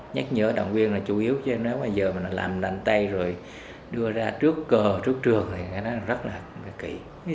nhắc nhở đồng viên là chủ yếu chứ nếu mà giờ mình làm mạnh tay rồi đưa ra trước cờ trước trường thì nó rất là kỳ